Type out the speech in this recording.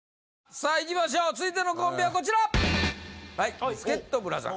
さあいきましょう続いてのコンビはこちら。